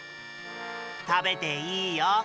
たべていいよ。